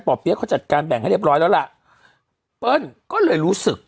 เปี๊ยกเขาจัดการแบ่งให้เรียบร้อยแล้วล่ะเปิ้ลก็เลยรู้สึก